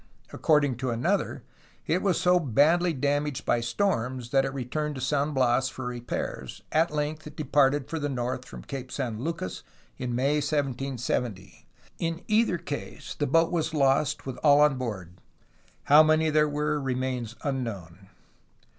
According to another it was so badly damaged by storms that it returned to San Bias for repairs. At length it departed for the north from Cape San Lucas in May 1770. In either case the boat was lost with all on board; how many there were remains unknown.